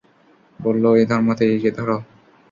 বলল, এই ধর্মত্যাগীকে ধর।